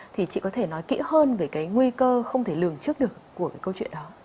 thì chị có thể nói kỹ hơn về cái nguy cơ không thể lường trước được của cái câu chuyện đó